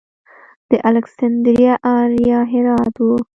د الکسندریه اریا هرات و